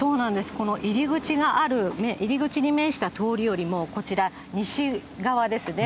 この入り口がある、入り口に面した通りよりも、こちら、西側ですね。